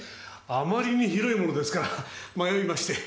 あまりに広いものですから迷いまして。